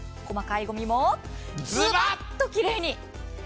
細かいごみもずばっときれいに。